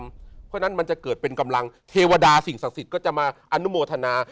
เพราะฉะนั้นมันจะเกิดเป็นกำลังเทวดาสิ่งศักดิ์สิทธิ์ก็จะมาอนุโมทนา